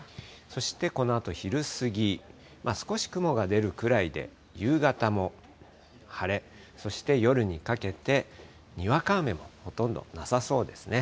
そしてこのあと昼過ぎ、少し雲が出るくらいで、夕方も晴れ、そして夜にかけてにわか雨もほとんどなさそうですね。